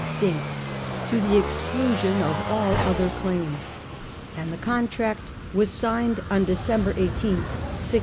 extinct, to the exclusion of all other claims; and the contract was signed on December 18, 1663.